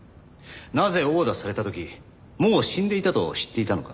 なぜ殴打された時もう死んでいたと知っていたのか。